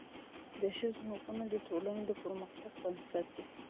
د ښځو حقونه د ټولني د پرمختګ بنسټ دی.